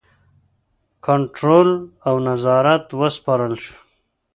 کنټرول او نظارت وسپارل شو.